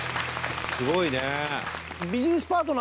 すごいね！